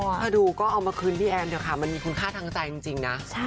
ถ้าดูก็เอามาคืนพี่แอนเถอะค่ะมันมีคุณค่าทางใจจริงนะ